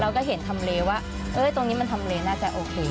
เราก็เห็นทำเลว่าตรงนี้มันทำเลน่าจะโอเค